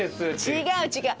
違う違う。